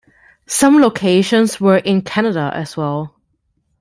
Some locations were in Canada as well.